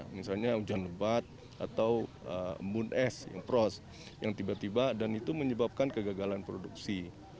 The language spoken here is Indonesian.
misalnya hujan lebat atau embun es yang pros yang tiba tiba dan itu menyebabkan kegagalan produksi